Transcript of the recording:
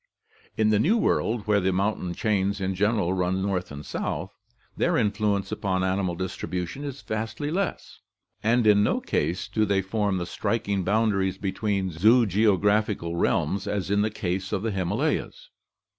In the New World where the mountain chains in general run north and south, their influ ence upon animal distribution is vastly less, and in no case do they form the striking boundaries between zoogeographical realms (see page 63), as in the case of the Himalayas.